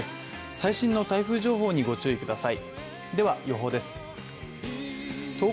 最新の台風情報にご注意ください。